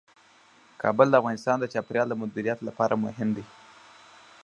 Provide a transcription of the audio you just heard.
کابل د افغانستان د چاپیریال د مدیریت لپاره مهم دي.